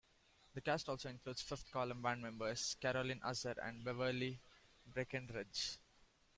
The cast also includes Fifth Column band members Caroline Azar and Beverly Breckenridge.